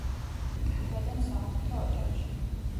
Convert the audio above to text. დაიბადა მსახურთა ოჯახში.